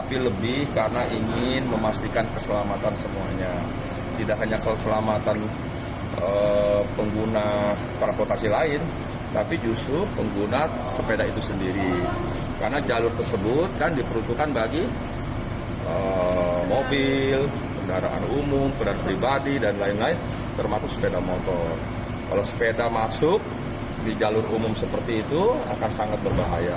pesepeda masuk di jalur umum seperti itu akan sangat berbahaya